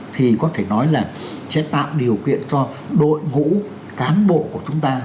thì có thể nói là sẽ tạo điều kiện cho đội ngũ cán bộ của chúng ta